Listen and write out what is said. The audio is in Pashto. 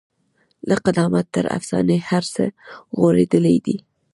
له قدامت تر افسانې هر څه غوړېدلي دي.